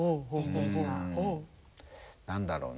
何だろうな？